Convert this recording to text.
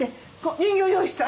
人形を用意した。